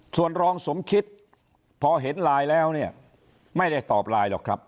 ส่วนรองสมคิดพอเห็นไลน์แล้วเนี่ยไม่ได้ตอบไลน์หรอกครับ